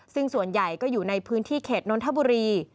ซึ่งส่วนใหญ่ก็อยู่ในพื้นที่เขตนนทบุรี